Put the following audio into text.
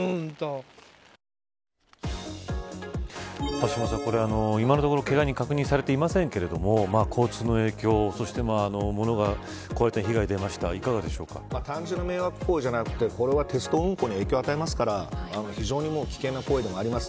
橋下さん、今のところけが人は確認されていませんが交通の影響をそして物が壊れた被害が単純な迷惑行為じゃなくてこれは鉄道運行に影響を与えますから非常に危険な行為でもあります。